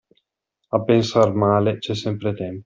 A pensar male c'è sempre tempo.